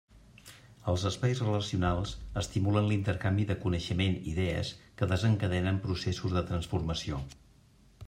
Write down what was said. Els espais relacionals estimulen l'intercanvi de coneixement i idees que desencadenen processos de transformació.